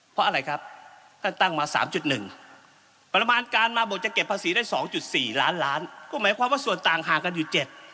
เพราะอะไรครับท่านตั้งมา๓๑ประมาณการมาบทจะเก็บภาษีได้๒๔ล้านล้านก็หมายความว่าส่วนต่างห่างกันอยู่เจ็ด